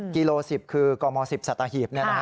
กิโลสิบคือกอโม๑๐สัตเฮีบ